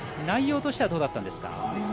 内容としてはどうだったんですか？